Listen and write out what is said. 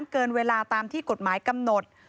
เกินเวลาตามที่กฎหมายกำหนด